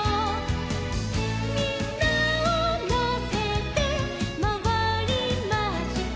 「みんなをのせてまわりました」